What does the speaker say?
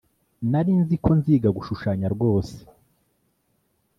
Narinziko nziga gushushanya rwose